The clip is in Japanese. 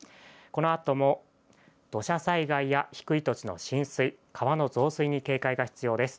このあとも土砂災害や低い土地の浸水、川の増水に警戒が必要です。